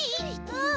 うん！